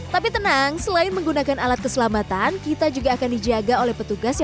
tapi tenang selain menggunakan alat keselamatan kita juga akan dijaga oleh petugas